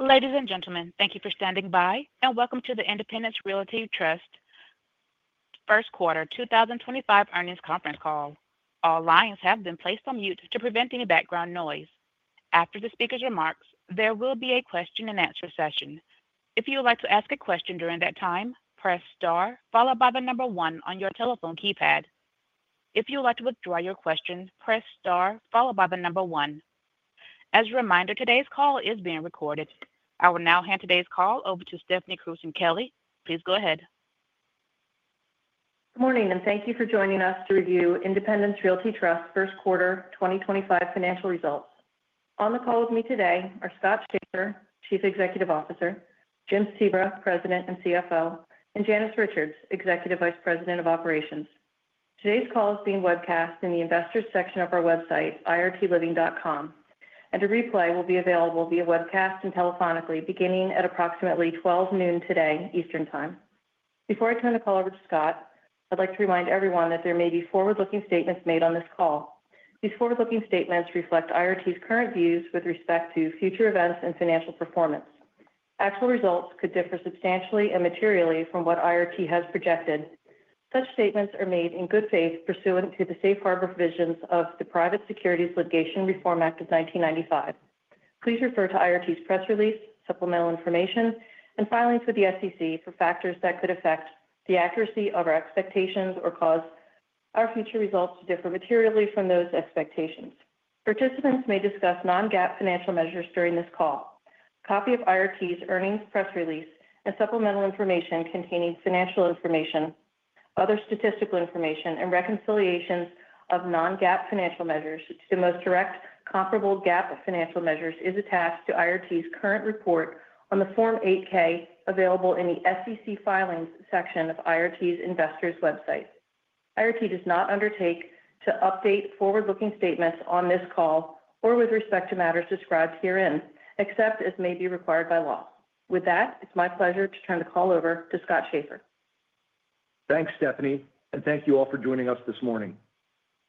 Ladies and gentlemen, thank you for standing by, and welcome to the Independence Realty Trust First Quarter 2025 Earnings Conference Call. All lines have been placed on mute to prevent any background noise. After the speaker's remarks, there will be a question and answer session. If you would like to ask a question during that time, press star followed by the number one on your telephone keypad. If you would like to withdraw your question, press star followed by the number one. As a reminder, today's call is being recorded. I will now hand today's call over to Stephanie Krewson-Kelly. Please go ahead. Good morning, and thank you for joining us to review Independence Realty Trust first quarter 2025 financial results. On the call with me today are Scott Schaeffer, Chief Executive Officer; Jim Sebra, President and CFO; and Janice Richards, Executive Vice President of Operations. Today's call is being webcast in the investors' section of our website, irtliving.com, and a replay will be available via webcast and telephonically beginning at approximately 12:00 noon today, Eastern Time. Before I turn the call over to Scott, I'd like to remind everyone that there may be forward-looking statements made on this call. These forward-looking statements reflect IRT's current views with respect to future events and financial performance. Actual results could differ substantially and materially from what IRT has projected. Such statements are made in good faith pursuant to the safe harbor provisions of the Private Securities Litigation Reform Act of 1995. Please refer to IRT's press release, supplemental information, and filings with the SEC for factors that could affect the accuracy of our expectations or cause our future results to differ materially from those expectations. Participants may discuss non-GAAP financial measures during this call. A copy of IRT's earnings press release and supplemental information containing financial information, other statistical information, and reconciliations of non-GAAP financial measures to the most direct comparable GAAP financial measures is attached to IRT's current report on the Form 8-K available in the SEC filings section of IRT's investors' website. IRT does not undertake to update forward-looking statements on this call or with respect to matters described herein, except as may be required by law. With that, it's my pleasure to turn the call over to Scott Schaeffer. Thanks, Stephanie, and thank you all for joining us this morning.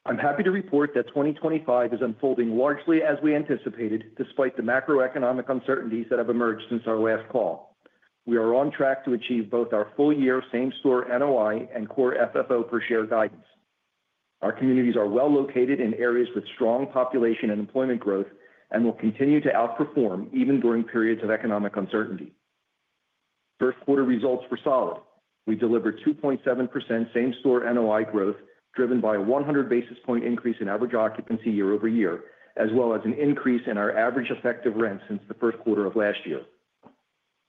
I'm happy to report that 2025 is unfolding largely as we anticipated, despite the macroeconomic uncertainties that have emerged since our last call. We are on track to achieve both our full-year same-store NOI and core FFO per share guidance. Our communities are well located in areas with strong population and employment growth and will continue to outperform even during periods of economic uncertainty. First quarter results were solid. We delivered 2.7% same-store NOI growth driven by a 100 basis point increase in average occupancy year over year, as well as an increase in our average effective rent since the first quarter of last year.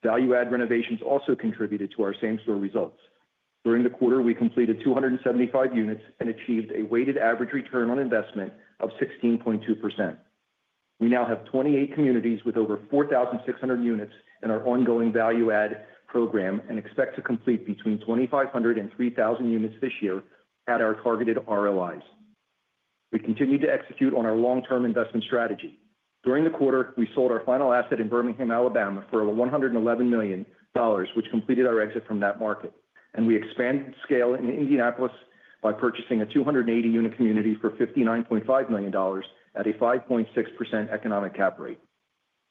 Value-add renovations also contributed to our same-store results. During the quarter, we completed 275 units and achieved a weighted average return on investment of 16.2%. We now have 28 communities with over 4,600 units in our ongoing value-add program and expect to complete between 2,500 and 3,000 units this year at our targeted RLIs. We continue to execute on our long-term investment strategy. During the quarter, we sold our final asset in Birmingham, Alabama, for $111 million, which completed our exit from that market, and we expanded scale in Indianapolis by purchasing a 280-unit community for $59.5 million at a 5.6% economic cap rate.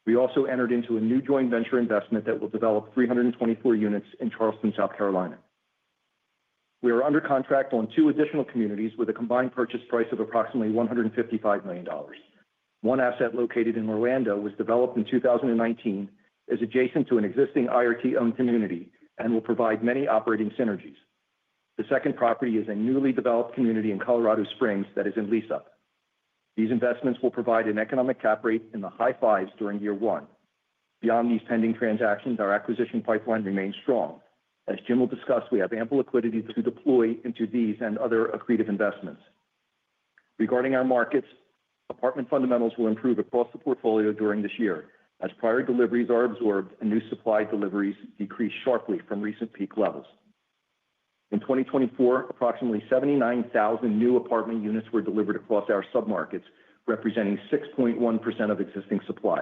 We also entered into a new joint venture investment that will develop 324 units in Charleston, South Carolina. We are under contract on two additional communities with a combined purchase price of approximately $155 million. One asset located in Orlando was developed in 2019, is adjacent to an existing IRT-owned community, and will provide many operating synergies. The second property is a newly developed community in Colorado Springs that is in lease-up. These investments will provide an economic cap rate in the high fives during year one. Beyond these pending transactions, our acquisition pipeline remains strong. As Jim will discuss, we have ample liquidity to deploy into these and other accretive investments. Regarding our markets, apartment fundamentals will improve across the portfolio during this year, as prior deliveries are absorbed and new supply deliveries decrease sharply from recent peak levels. In 2024, approximately 79,000 new apartment units were delivered across our submarkets, representing 6.1% of existing supply.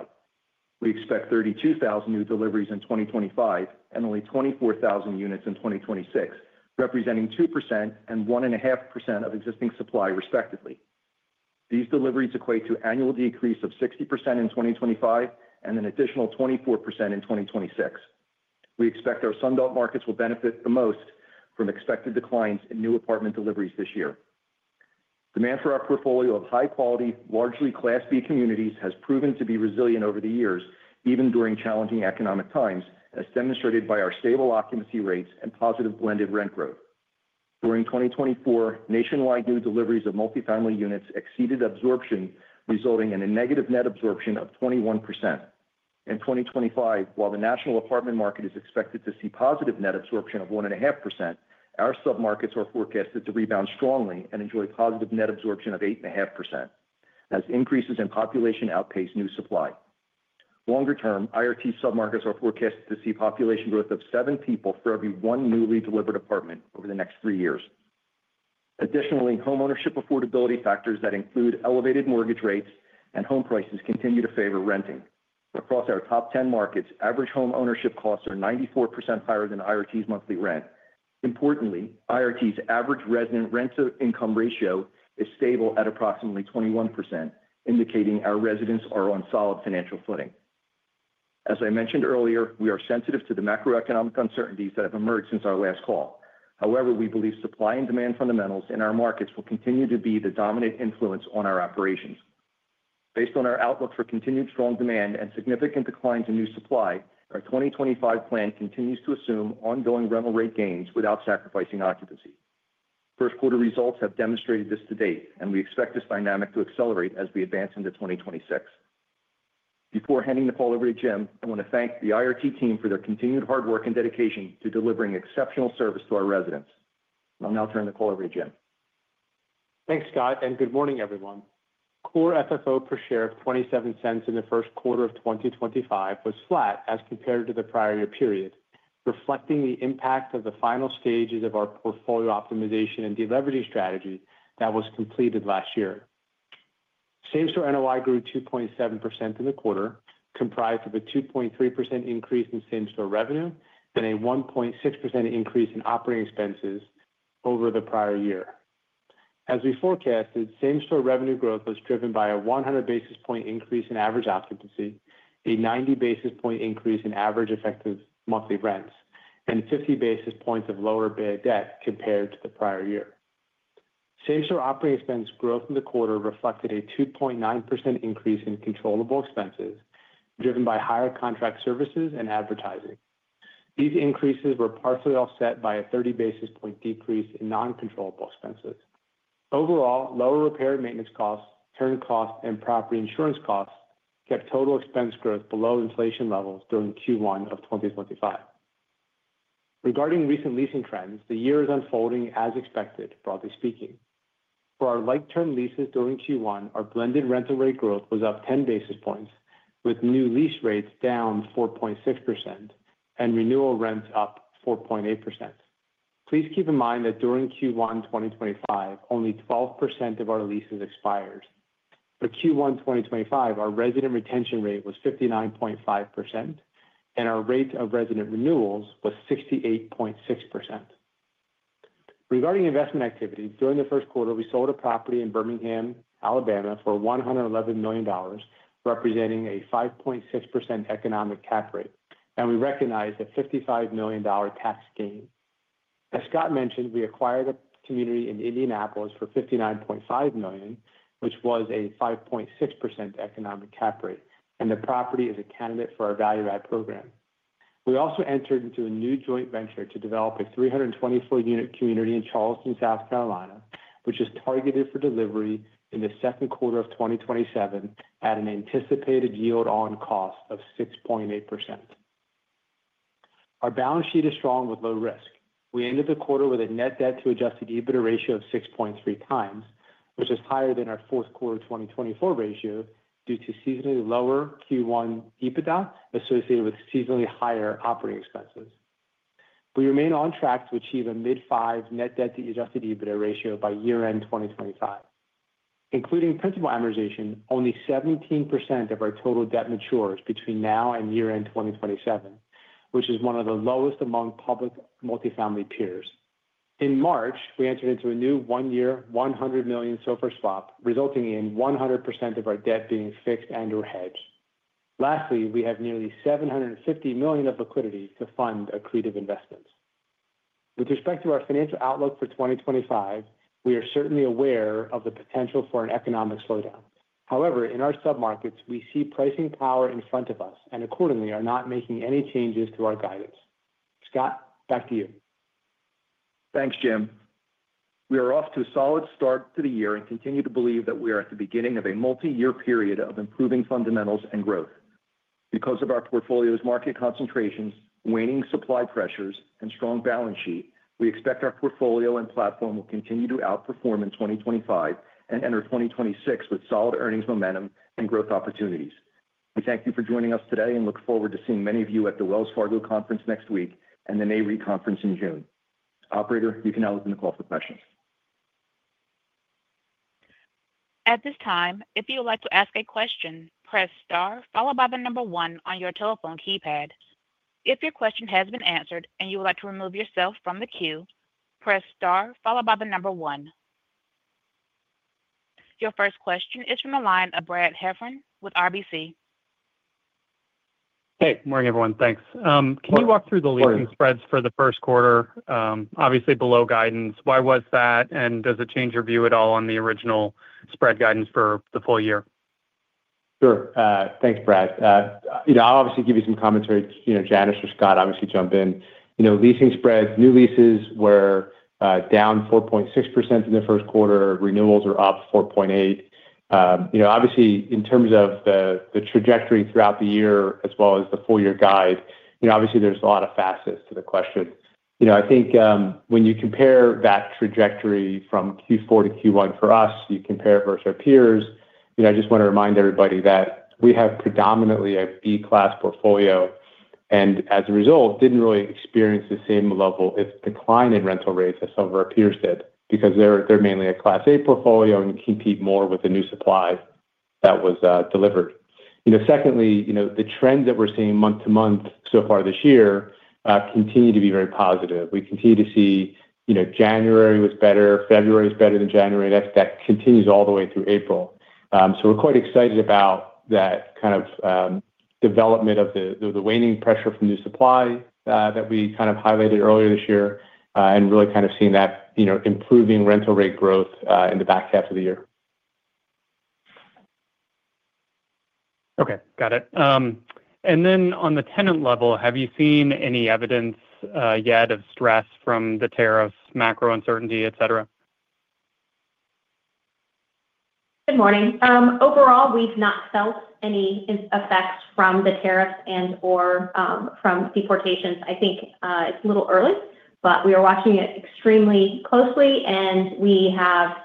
We expect 32,000 new deliveries in 2025 and only 24,000 units in 2026, representing 2% and 1.5% of existing supply, respectively. These deliveries equate to an annual decrease of 60% in 2025 and an additional 24% in 2026. We expect our Sunbelt markets will benefit the most from expected declines in new apartment deliveries this year. Demand for our portfolio of high-quality, largely Class B communities has proven to be resilient over the years, even during challenging economic times, as demonstrated by our stable occupancy rates and positive blended rent growth. During 2024, nationwide new deliveries of multifamily units exceeded absorption, resulting in a negative net absorption of 21%. In 2025, while the national apartment market is expected to see positive net absorption of 1.5%, our submarkets are forecasted to rebound strongly and enjoy positive net absorption of 8.5%, as increases in population outpace new supply. Longer-term, IRT submarkets are forecast to see population growth of seven people for every one newly delivered apartment over the next three years. Additionally, homeownership affordability factors that include elevated mortgage rates and home prices continue to favor renting. Across our top 10 markets, average homeownership costs are 94% higher than IRT's monthly rent. Importantly, IRT's average resident rent-to-income ratio is stable at approximately 21%, indicating our residents are on solid financial footing. As I mentioned earlier, we are sensitive to the macroeconomic uncertainties that have emerged since our last call. However, we believe supply and demand fundamentals in our markets will continue to be the dominant influence on our operations. Based on our outlook for continued strong demand and significant declines in new supply, our 2025 plan continues to assume ongoing rental rate gains without sacrificing occupancy. First quarter results have demonstrated this to date, and we expect this dynamic to accelerate as we advance into 2026. Before handing the call over to Jim, I want to thank the IRT team for their continued hard work and dedication to delivering exceptional service to our residents. I'll now turn the call over to Jim. Thanks, Scott, and good morning, everyone. Core FFO per share of $0.27 in the first quarter of 2025 was flat as compared to the prior year period, reflecting the impact of the final stages of our portfolio optimization and delivery strategy that was completed last year. Same-store NOI grew 2.7% in the quarter, comprised of a 2.3% increase in same-store revenue and a 1.6% increase in operating expenses over the prior year. As we forecasted, same-store revenue growth was driven by a 100 basis point increase in average occupancy, a 90 basis point increase in average effective monthly rents, and 50 basis points of lower bad debt compared to the prior year. Same-store operating expense growth in the quarter reflected a 2.9% increase in controllable expenses driven by higher contract services and advertising. These increases were partially offset by a 30 basis point decrease in non-controllable expenses. Overall, lower repair and maintenance costs, turn costs, and property insurance costs kept total expense growth below inflation levels during Q1 of 2025. Regarding recent leasing trends, the year is unfolding as expected, broadly speaking. For our like-term leases during Q1, our blended rental rate growth was up 10 basis points, with new lease rates down 4.6% and renewal rents up 4.8%. Please keep in mind that during Q1 2025, only 12% of our leases expired. For Q1 2025, our resident retention rate was 59.5%, and our rate of resident renewals was 68.6%. Regarding investment activities, during the first quarter, we sold a property in Birmingham, Alabama, for $111 million, representing a 5.6% economic cap rate, and we recognized a $55 million tax gain. As Scott mentioned, we acquired a community in Indianapolis for $59.5 million, which was a 5.6% economic cap rate, and the property is a candidate for our value-add program. We also entered into a new joint venture to develop a 324-unit community in Charleston, South Carolina, which is targeted for delivery in the second quarter of 2027 at an anticipated yield-on cost of 6.8%. Our balance sheet is strong with low risk. We ended the quarter with a net debt-to-adjusted EBITDA ratio of 6.3 times, which is higher than our fourth quarter 2024 ratio due to seasonally lower Q1 EBITDA associated with seasonally higher operating expenses. We remain on track to achieve a mid-5 net debt-to-adjusted EBITDA ratio by year-end 2025. Including principal amortization, only 17% of our total debt matures between now and year-end 2027, which is one of the lowest among public multifamily peers. In March, we entered into a new one-year $100 million SOFR swap, resulting in 100% of our debt being fixed and/or hedged. Lastly, we have nearly $750 million of liquidity to fund accretive investments. With respect to our financial outlook for 2025, we are certainly aware of the potential for an economic slowdown. However, in our submarkets, we see pricing power in front of us and, accordingly, are not making any changes to our guidance. Scott, back to you. Thanks, Jim. We are off to a solid start to the year and continue to believe that we are at the beginning of a multi-year period of improving fundamentals and growth. Because of our portfolio's market concentrations, waning supply pressures, and strong balance sheet, we expect our portfolio and platform will continue to outperform in 2025 and enter 2026 with solid earnings momentum and growth opportunities. We thank you for joining us today and look forward to seeing many of you at the Wells Fargo Conference next week and the Nareit Conference in June. Operator, you can now open the call for questions. At this time, if you would like to ask a question, press star followed by the number one on your telephone keypad. If your question has been answered and you would like to remove yourself from the queue, press star followed by the number one. Your first question is from the line of Brad Heffern with RBC. Hey, morning, everyone. Thanks. Can you walk through the leasing spreads for the first quarter? Obviously, below guidance. Why was that, and does it change your view at all on the original spread guidance for the full year? Sure. Thanks, Brad. I'll obviously give you some commentary. Janice or Scott obviously jump in. Leasing spreads, new leases were down 4.6% in the first quarter. Renewals are up 4.8%. Obviously, in terms of the trajectory throughout the year, as well as the full-year guide, obviously, there's a lot of facets to the question. I think when you compare that trajectory from Q4 to Q1 for us, you compare it versus our peers, I just want to remind everybody that we have predominantly a B-class portfolio and, as a result, didn't really experience the same level of decline in rental rates as some of our peers did because they're mainly a Class A portfolio and compete more with the new supply that was delivered. Secondly, the trends that we're seeing month to month so far this year continue to be very positive. We continue to see January was better, February is better than January, and that continues all the way through April. We are quite excited about that kind of development of the waning pressure from new supply that we kind of highlighted earlier this year and really kind of seeing that improving rental rate growth in the back half of the year. Okay. Got it. And then on the tenant level, have you seen any evidence yet of stress from the tariffs, macro uncertainty, etc.? Good morning. Overall, we've not felt any effects from the tariffs and/or from deportations. I think it's a little early, but we are watching it extremely closely, and we have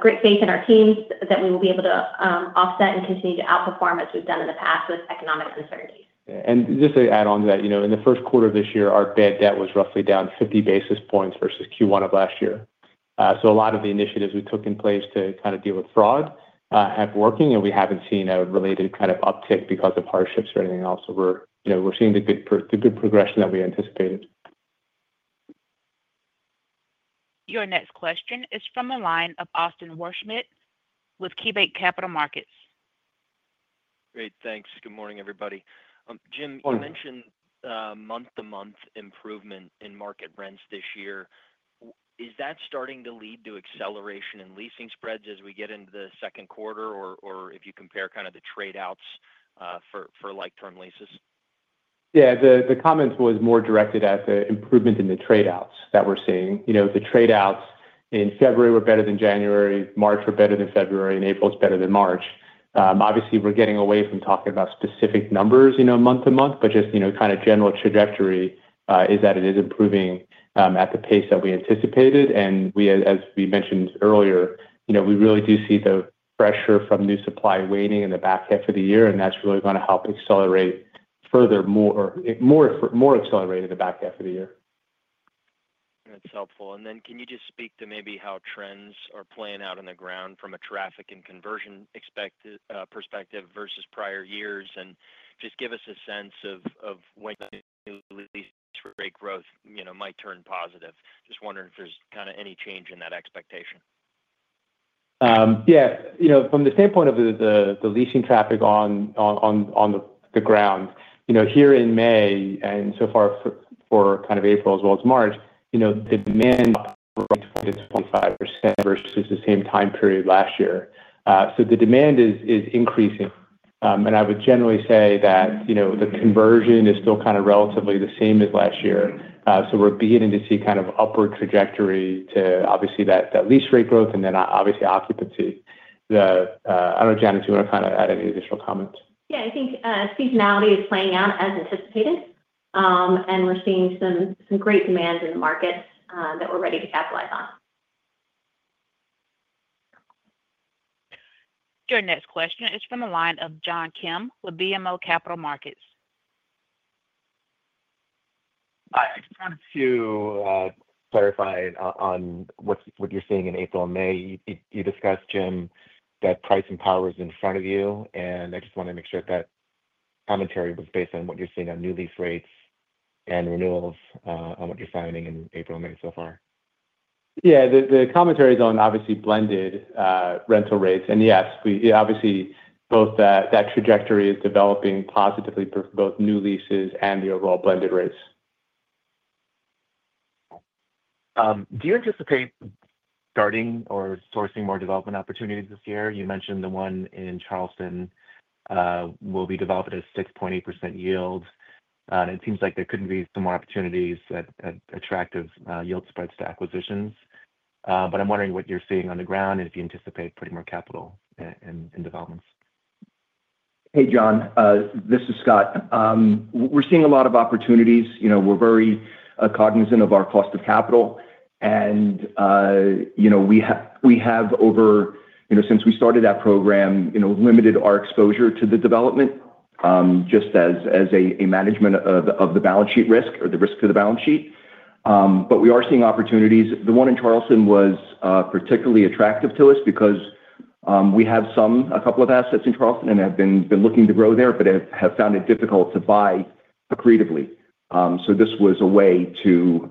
great faith in our teams that we will be able to offset and continue to outperform as we've done in the past with economic uncertainties. Just to add on to that, in the first quarter of this year, our bad debt was roughly down 50 basis points versus Q1 of last year. A lot of the initiatives we took in place to kind of deal with fraud have been working, and we have not seen a related kind of uptick because of hardships or anything else. We are seeing the good progression that we anticipated. Your next question is from the line of Austin Wurschmidt with KeyBanc Capital Markets. Great. Thanks. Good morning, everybody. Jim, you mentioned month-to-month improvement in market rents this year. Is that starting to lead to acceleration in leasing spreads as we get into the second quarter, or if you compare kind of the tradeouts for like-term leases? Yeah. The comment was more directed at the improvement in the tradeouts that we're seeing. The tradeouts in February were better than January, March were better than February, and April was better than March. Obviously, we're getting away from talking about specific numbers month to month, but just kind of general trajectory is that it is improving at the pace that we anticipated. As we mentioned earlier, we really do see the pressure from new supply waning in the back half of the year, and that's really going to help accelerate further, more accelerate in the back half of the year. That's helpful. Can you just speak to maybe how trends are playing out on the ground from a traffic and conversion perspective versus prior years and just give us a sense of when new lease rate growth might turn positive? Just wondering if there's kind of any change in that expectation. Yeah. From the standpoint of the leasing traffic on the ground, here in May and so far for kind of April as well as March, the demand up from 20%-25% versus the same time period last year. The demand is increasing, and I would generally say that the conversion is still kind of relatively the same as last year. We're beginning to see kind of upward trajectory to obviously that lease rate growth and then obviously occupancy. I don't know, Janice, do you want to kind of add any additional comments? Yeah. I think seasonality is playing out as anticipated, and we're seeing some great demand in the markets that we're ready to capitalize on. Your next question is from the line of John Kim with BMO Capital Markets. I just wanted to clarify on what you're seeing in April and May. You discussed, Jim, that pricing power is in front of you, and I just wanted to make sure that commentary was based on what you're seeing on new lease rates and renewals on what you're finding in April and May so far. Yeah. The commentary is on obviously blended rental rates. And yes, obviously, both that trajectory is developing positively for both new leases and the overall blended rates. Do you anticipate starting or sourcing more development opportunities this year? You mentioned the one in Charleston will be developed at a 6.8% yield. It seems like there could be some more opportunities at attractive yield spreads to acquisitions. I am wondering what you are seeing on the ground and if you anticipate putting more capital in developments. Hey, John. This is Scott. We're seeing a lot of opportunities. We're very cognizant of our cost of capital, and we have, since we started that program, limited our exposure to the development just as a management of the balance sheet risk or the risk to the balance sheet. We are seeing opportunities. The one in Charleston was particularly attractive to us because we have a couple of assets in Charleston and have been looking to grow there, but have found it difficult to buy accretively. This was a way to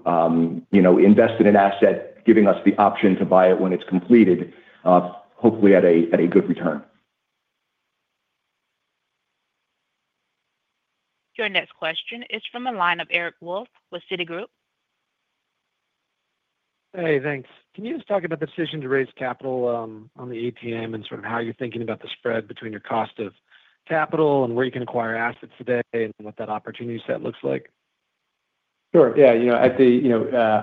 invest in an asset, giving us the option to buy it when it's completed, hopefully at a good return. Your next question is from the line of Eric Wolfe with Citigroup. Hey, thanks. Can you just talk about the decision to raise capital on the ATM and sort of how you're thinking about the spread between your cost of capital and where you can acquire assets today and what that opportunity set looks like? Sure. Yeah.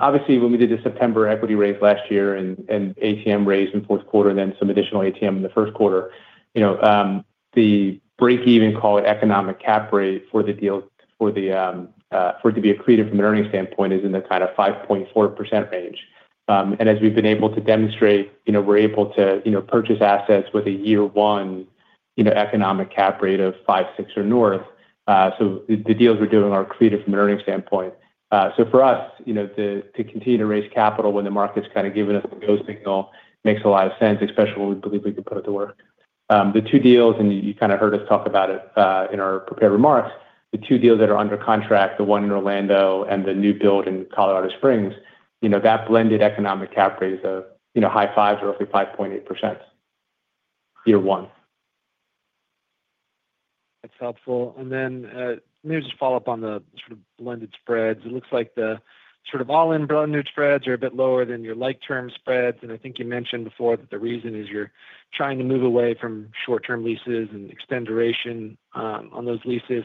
Obviously, when we did the September equity raise last year and ATM raise in fourth quarter and then some additional ATM in the first quarter, the break-even, call it economic cap rate for the deal for it to be accretive from an earnings standpoint is in the kind of 5.4% range. As we've been able to demonstrate, we're able to purchase assets with a year-one economic cap rate of 5, 6, or north. The deals we're doing are accretive from an earnings standpoint. For us, to continue to raise capital when the market's kind of giving us the go signal makes a lot of sense, especially when we believe we can put it to work. The two deals, and you kind of heard us talk about it in our prepared remarks, the two deals that are under contract, the one in Orlando and the new build in Colorado Springs, that blended economic cap rate is a high five, roughly 5.8%, year-one. That's helpful. Let me just follow up on the sort of blended spreads. It looks like the sort of all-in blended spreads are a bit lower than your light-term spreads. I think you mentioned before that the reason is you're trying to move away from short-term leases and extend duration on those leases.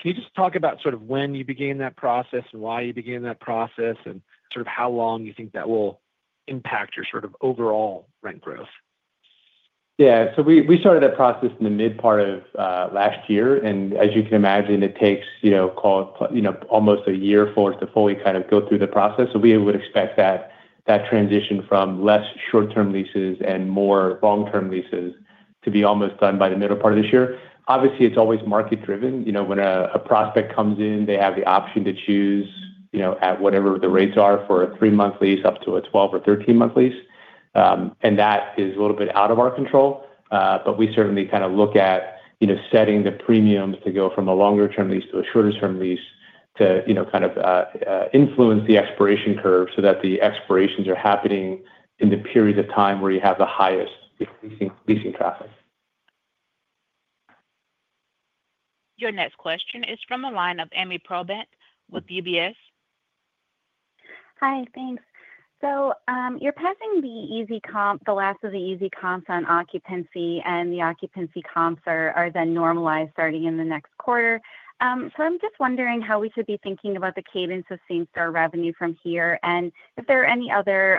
Can you just talk about sort of when you began that process and why you began that process and sort of how long you think that will impact your sort of overall rent growth? Yeah. We started that process in the mid-part of last year. As you can imagine, it takes almost a year for us to fully kind of go through the process. We would expect that transition from less short-term leases and more long-term leases to be almost done by the middle part of this year. Obviously, it's always market-driven. When a prospect comes in, they have the option to choose at whatever the rates are for a three-month lease up to a 12 or 13-month lease. That is a little bit out of our control, but we certainly kind of look at setting the premiums to go from a longer-term lease to a shorter-term lease to kind of influence the expiration curve so that the expirations are happening in the period of time where you have the highest leasing traffic. Your next question is from the line of Amy Probett with UBS. Hi. Thanks. You're passing the last of the easy comps on occupancy, and the occupancy comps are then normalized starting in the next quarter. I'm just wondering how we should be thinking about the cadence of same-store revenue from here and if there are any other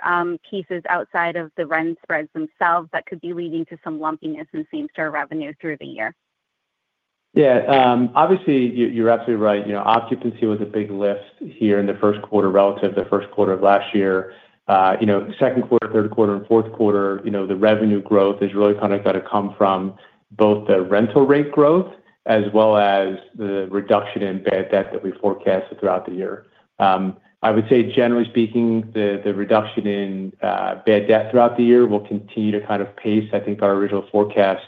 pieces outside of the rent spreads themselves that could be leading to some lumpiness in same-store revenue through the year. Yeah. Obviously, you're absolutely right. Occupancy was a big lift here in the first quarter relative to the first quarter of last year. Second quarter, third quarter, and fourth quarter, the revenue growth is really kind of going to come from both the rental rate growth as well as the reduction in bad debt that we forecasted throughout the year. I would say, generally speaking, the reduction in bad debt throughout the year will continue to kind of pace. I think our original forecast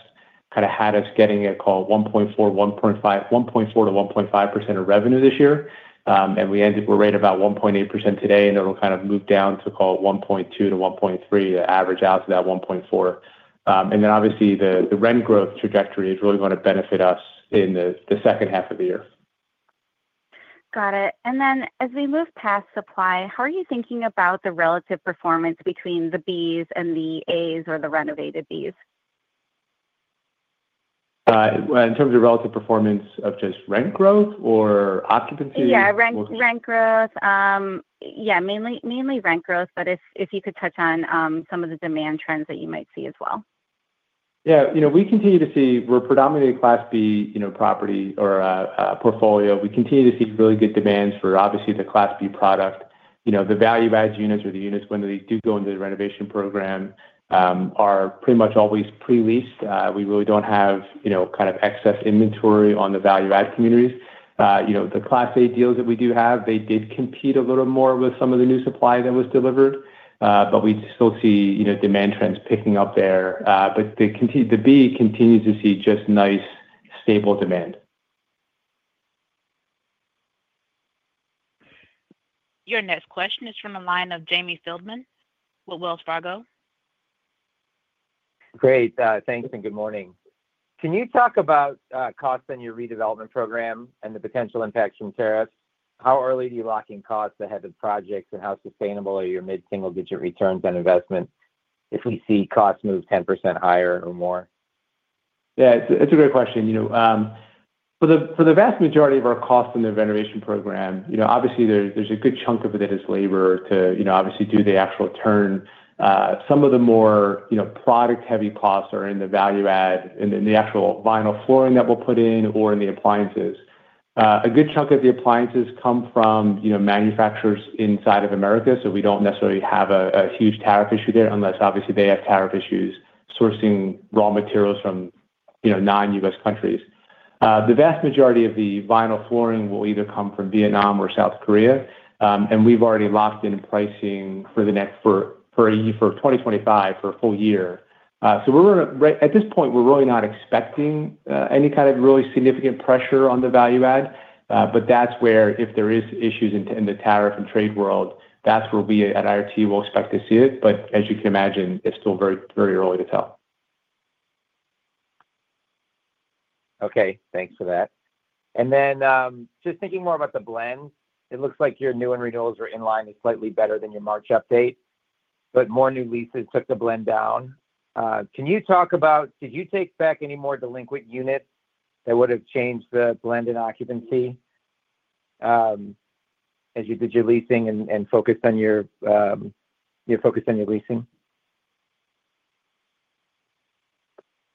kind of had us getting a call 1.4$-1.5% of revenue this year. We're right about 1.8% today, and it'll kind of move down to call 1.2%-1.3% to average out to that 1.4%. Obviously, the rent growth trajectory is really going to benefit us in the second half of the year. Got it. As we move past supply, how are you thinking about the relative performance between the Bs and the As or the renovated Bs? In terms of relative performance of just rent growth or occupancy? Yeah. Rent growth. Yeah. Mainly rent growth, but if you could touch on some of the demand trends that you might see as well. Yeah. We continue to see we're predominantly a Class B property or portfolio. We continue to see really good demands for, obviously, the Class B product. The value-add units or the units, when they do go into the renovation program, are pretty much always pre-leased. We really do not have kind of excess inventory on the value-add communities. The Class A deals that we do have, they did compete a little more with some of the new supply that was delivered. We still see demand trends picking up there. The B continues to see just nice, stable demand. Your next question is from the line of Jamie Feldman with Wells Fargo. Great. Thanks and good morning. Can you talk about costs in your redevelopment program and the potential impacts from tariffs? How early do you lock in costs ahead of projects, and how sustainable are your mid-single-digit returns on investment if we see costs move 10% higher or more? Yeah. It's a great question. For the vast majority of our costs in the renovation program, obviously, there's a good chunk of it that is labor to obviously do the actual turn. Some of the more product-heavy costs are in the value-add, in the actual vinyl flooring that we'll put in, or in the appliances. A good chunk of the appliances come from manufacturers inside of America, so we don't necessarily have a huge tariff issue there unless, obviously, they have tariff issues sourcing raw materials from non-U.S. countries. The vast majority of the vinyl flooring will either come from Vietnam or South Korea, and we've already locked in pricing for 2025 for a full year. At this point, we're really not expecting any kind of really significant pressure on the value-add, but that's where if there are issues in the tariff and trade world, that's where we at IRT will expect to see it. As you can imagine, it's still very early to tell. Okay. Thanks for that. Just thinking more about the blend, it looks like your new and renewals are in line, slightly better than your March update, but more new leases took the blend down. Can you talk about did you take back any more delinquent units that would have changed the blend in occupancy as you did your leasing and focused on your leasing?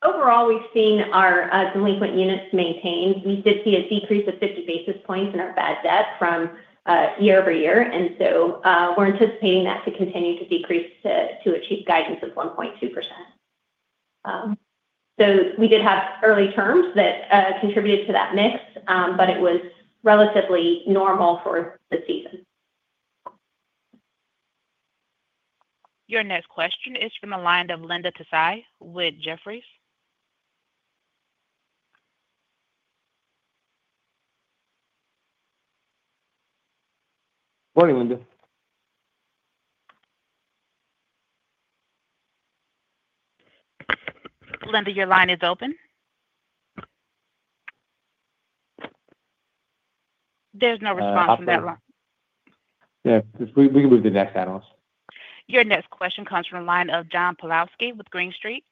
Overall, we've seen our delinquent units maintained. We did see a decrease of 50 basis points in our bad debt from year over year, and we are anticipating that to continue to decrease to achieve guidance of 1.2%. We did have early terms that contributed to that mix, but it was relatively normal for the season. Your next question is from the line of Linda Tsai with Jefferies. Morning, Linda. Linda, your line is open. There is no response from that line. Yeah. We can move to the next analyst. Your next question comes from the line of John Pawlowski with Green Street.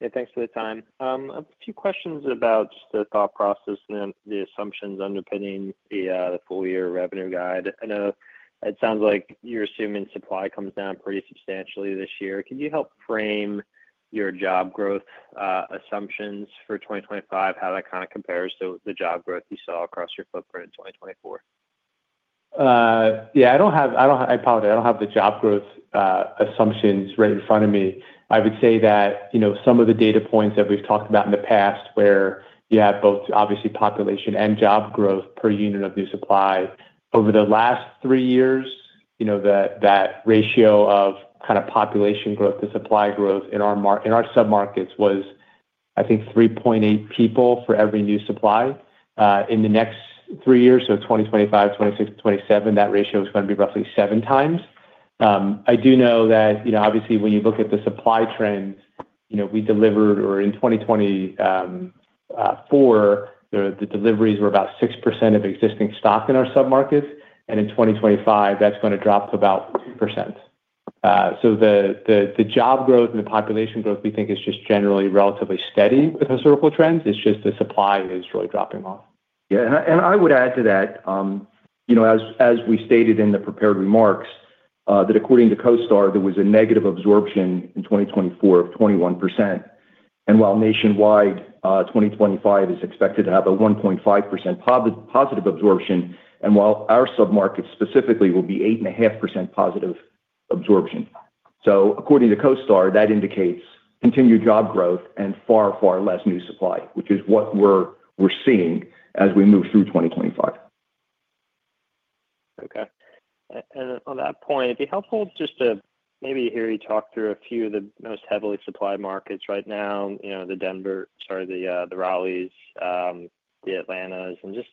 Yeah. Thanks for the time. A few questions about just the thought process and the assumptions underpinning the full-year revenue guide. I know it sounds like you're assuming supply comes down pretty substantially this year. Can you help frame your job growth assumptions for 2025, how that kind of compares to the job growth you saw across your footprint in 2024? Yeah. I don't have—I apologize. I don't have the job growth assumptions right in front of me. I would say that some of the data points that we've talked about in the past where you have both, obviously, population and job growth per unit of new supply over the last three years, that ratio of kind of population growth to supply growth in our sub-markets was, I think, 3.8 people for every new supply. In the next three years, so 2025, 2026, 2027, that ratio is going to be roughly seven times. I do know that, obviously, when you look at the supply trend, we delivered—or in 2024, the deliveries were about 6% of existing stock in our sub-markets. In 2025, that's going to drop to about 2%. The job growth and the population growth, we think, is just generally relatively steady with historical trends. It's just the supply is really dropping off. Yeah. I would add to that, as we stated in the prepared remarks, that according to CoStar, there was a negative absorption in 2024 of 21%. While nationwide, 2025 is expected to have a 1.5% positive absorption, our sub-market specifically will be 8.5% positive absorption. According to CoStar, that indicates continued job growth and far, far less new supply, which is what we're seeing as we move through 2025. Okay. On that point, it'd be helpful just to maybe hear you talk through a few of the most heavily supplied markets right now: the Denver, sorry, the Raleighs, the Atlantas, and just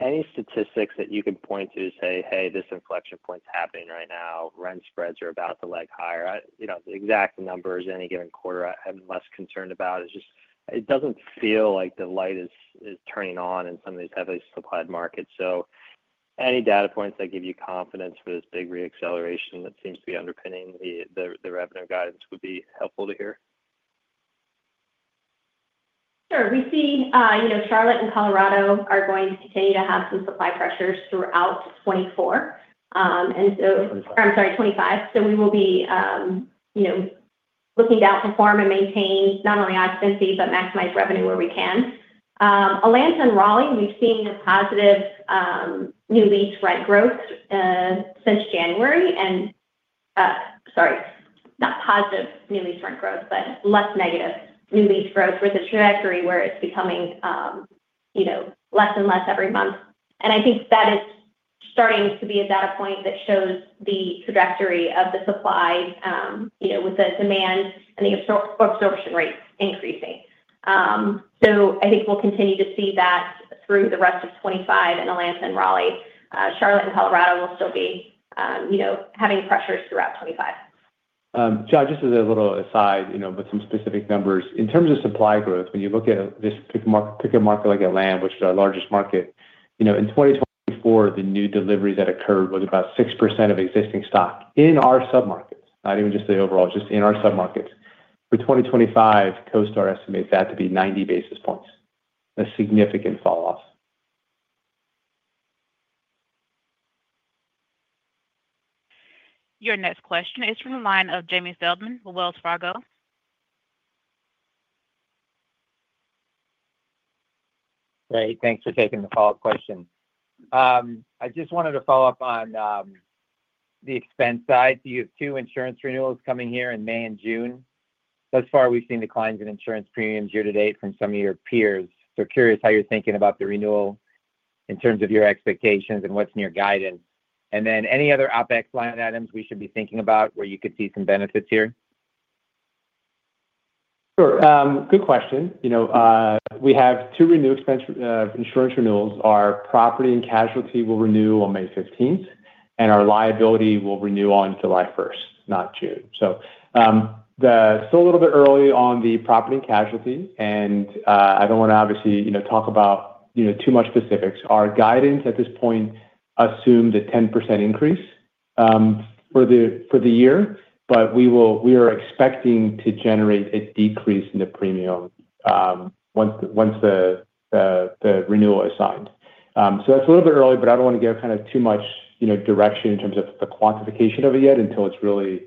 any statistics that you could point to to say, "Hey, this inflection point's happening right now. Rent spreads are about to leg higher." The exact numbers any given quarter I'm less concerned about is just it doesn't feel like the light is turning on in some of these heavily supplied markets. Any data points that give you confidence for this big reacceleration that seems to be underpinning the revenue guidance would be helpful to hear. Sure. We see Charlotte and Colorado are going to continue to have some supply pressures throughout 2024. I am sorry, 2025. We will be looking to outperform and maintain not only occupancy but maximize revenue where we can. Atlanta and Raleigh, we have seen a positive new lease rent growth since January. Sorry, not positive new lease rent growth, but less negative new lease growth with a trajectory where it is becoming less and less every month. I think that is starting to be a data point that shows the trajectory of the supply with the demand and the absorption rates increasing. I think we will continue to see that through the rest of 2025 in Atlanta and Raleigh. Charlotte and Colorado will still be having pressures throughout 2025. John, just as a little aside with some specific numbers, in terms of supply growth, when you look at this bigger market like Atlanta, which is our largest market, in 2024, the new deliveries that occurred was about 6% of existing stock in our sub-markets, not even just the overall, just in our sub-markets. For 2025, CoStar estimates that to be 90 basis points, a significant falloff. Your next question is from the line of Jamie Feldman with Wells Fargo. Great. Thanks for taking the follow-up question. I just wanted to follow up on the expense side. You have two insurance renewals coming here in May and June. Thus far, we've seen declines in insurance premiums year to date from some of your peers. Curious how you're thinking about the renewal in terms of your expectations and what's in your guidance. Any other OpEx line items we should be thinking about where you could see some benefits here? Sure. Good question. We have two renewed insurance renewals. Our property and casualty will renew on May 15th, and our liability will renew on July 1st, not June. Still a little bit early on the property and casualty, and I do not want to, obviously, talk about too much specifics. Our guidance at this point assumed a 10% increase for the year, but we are expecting to generate a decrease in the premium once the renewal is signed. That is a little bit early, but I do not want to give kind of too much direction in terms of the quantification of it yet until it is really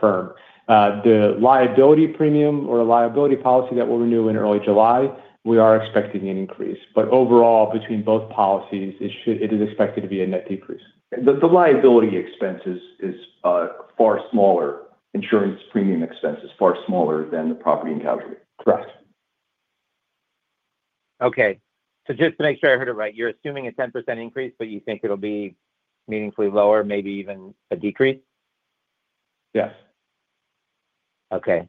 firm. The liability premium or liability policy that will renew in early July, we are expecting an increase. Overall, between both policies, it is expected to be a net decrease. The liability expense is far smaller. Insurance premium expense is far smaller than the property and casualty. Correct. Okay. Just to make sure I heard it right, you're assuming a 10% increase, bfut you think it'll be meaningfully lower, maybe even a decrease? Yes. Okay.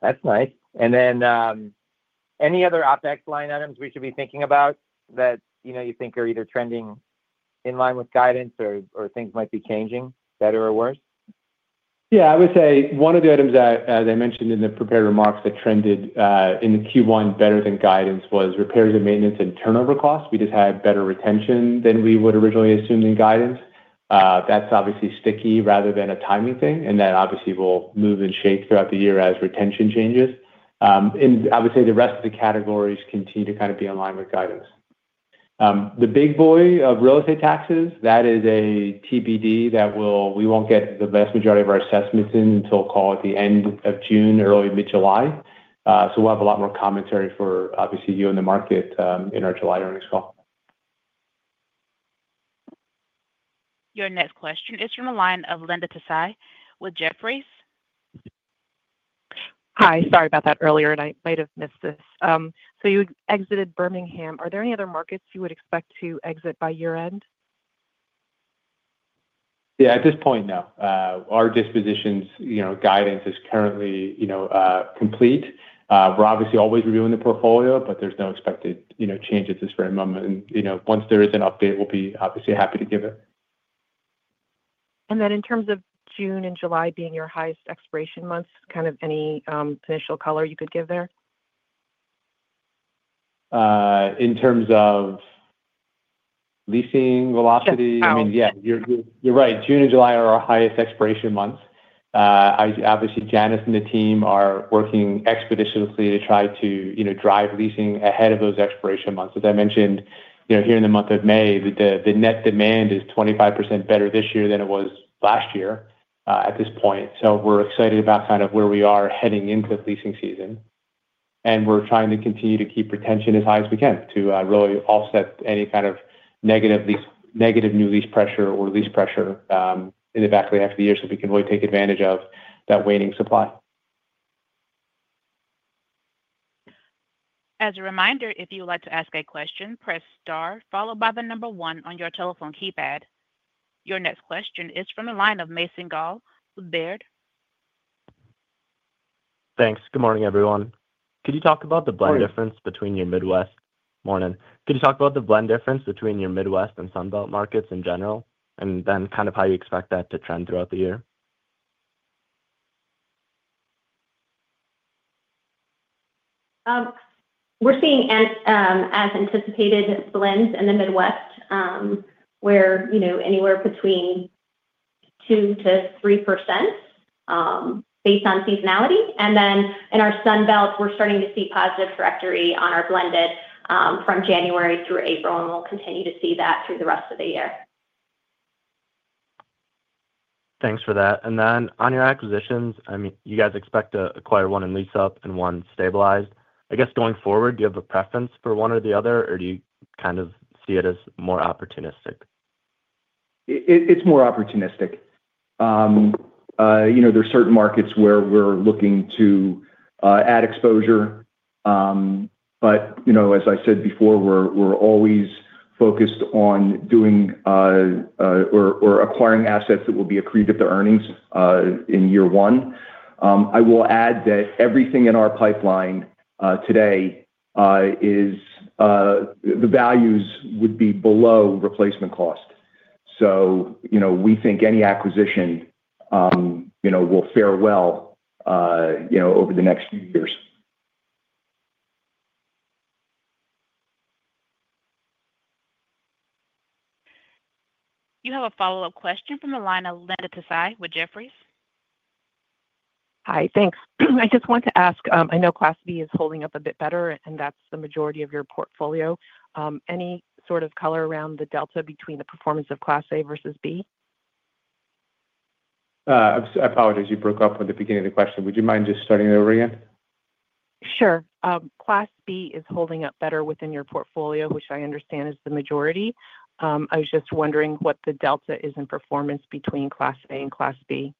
That's nice. Any other OpEx line items we should be thinking about that you think are either trending in line with guidance or things might be changing, better or worse? Yeah. I would say one of the items that I mentioned in the prepared remarks that trended in the Q1 better than guidance was repairs and maintenance and turnover costs. We just had better retention than we would originally assume in guidance. That's obviously sticky rather than a timing thing, and that obviously will move in shape throughout the year as retention changes. I would say the rest of the categories continue to kind of be in line with guidance. The big boy of real estate taxes, that is a TBD that we won't get the vast majority of our assessments in until call at the end of June, early mid-July. We will have a lot more commentary for, obviously, you and the market in our July earnings call. Your next question is from the line of Linda Tsai with Jefferies. Hi. Sorry about that earlier, and I might have missed this. You exited Birmingham. Are there any other markets you would expect to exit by year-end? Yeah. At this point, no. Our dispositions guidance is currently complete. We are obviously always reviewing the portfolio, but there is no expected changes at this very moment. Once there is an update, we will be obviously happy to give it. In terms of June and July being your highest expiration months, kind of any initial color you could give there? In terms of leasing velocity? Yeah. I mean, yeah. You're right. June and July are our highest expiration months. Obviously, Janice and the team are working expeditiously to try to drive leasing ahead of those expiration months. As I mentioned, here in the month of May, the net demand is 25% better this year than it was last year at this point. We are excited about kind of where we are heading into the leasing season. We are trying to continue to keep retention as high as we can to really offset any kind of negative new lease pressure or lease pressure in the back of the after the year so we can really take advantage of that waning supply. As a reminder, if you'd like to ask a question, press star followed by the number one on your telephone keypad. Your next question is from the line of Mason Gaul with Baird. Thanks. Good morning, everyone. Could you talk about the blend difference between your Midwest? Morning. Morning. Could you talk about the blend difference between your Midwest and Sunbelt markets in general, and then kind of how you expect that to trend throughout the year? We're seeing, as anticipated, blends in the Midwest where anywhere between 2%-3% based on seasonality. In our Sunbelt, we're starting to see positive trajectory on our blended from January through April, and we'll continue to see that through the rest of the year. Thanks for that. On your acquisitions, I mean, you guys expect to acquire one in lease-up and one stabilized. I guess going forward, do you have a preference for one or the other, or do you kind of see it as more opportunistic? It's more opportunistic. There are certain markets where we're looking to add exposure. As I said before, we're always focused on doing or acquiring assets that will be accretive to earnings in year one. I will add that everything in our pipeline today is the values would be below replacement cost. We think any acquisition will fare well over the next few years. You have a follow-up question from the line of Linda Tsai with Jefferies. Hi. Thanks. I just want to ask, I know Class B is holding up a bit better, and that's the majority of your portfolio. Any sort of color around the delta between the performance of Class A versus B? I apologize. You broke up at the beginning of the question. Would you mind just starting it over again? Sure. Class B is holding up better within your portfolio, which I understand is the majority. I was just wondering what the delta is in performance between Class A and Class B.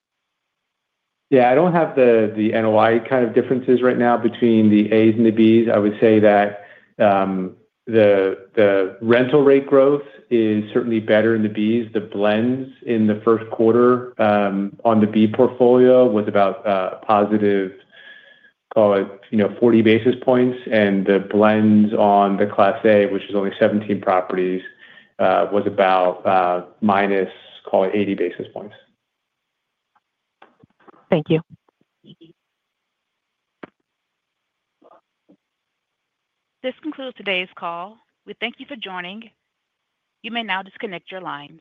Yeah. I do not have the NOI kind of differences right now between the As and the Bs. I would say that the rental rate growth is certainly better in the B's. The blends in the first quarter on the B portfolio was about a positive, call it 40 basis points, and the blends on the Class A, which is only 17 properties, was about minus, call it 80 basis points. Thank you. This concludes today's call. We thank you for joining. You may now disconnect your lines.